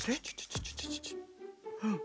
うん。